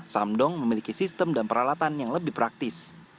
samdong memiliki sistem dan peralatan yang lebih praktis